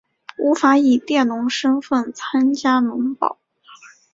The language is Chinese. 无法以佃农身分参加农保